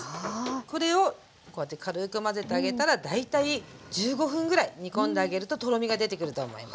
これをこうやって軽く混ぜてあげたら大体１５分ぐらい煮込んであげるととろみが出てくると思います。